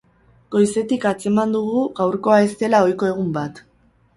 Goizetik atzeman dugu gaurkoa ez zela ohiko egun bat.